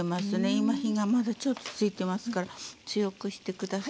今火がまだちょっとついてますから強くして下さる？